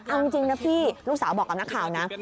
เอาจริงนะพี่ลูกสาวบอกกับนักข่าวนะ